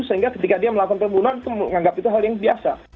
sehingga ketika dia melakukan pembunuhan itu menganggap itu hal yang biasa